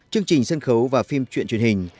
chương trình sân khấu và phim truyện truyền hình